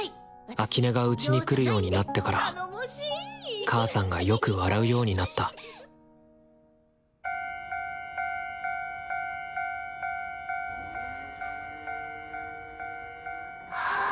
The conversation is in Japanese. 秋音がうちに来るようになってから母さんがよく笑うようになったはぁ。